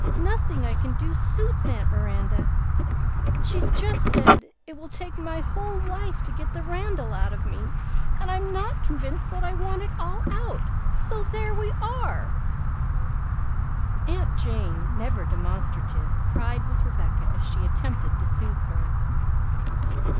Nothing I can do suits aunt Miranda; she's just said it will take me my whole life to get the Randall out of me, and I'm not convinced that I want it all out, so there we are!" Aunt Jane, never demonstrative, cried with Rebecca as she attempted to soothe her.